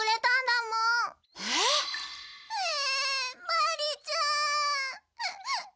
マリちゃーん！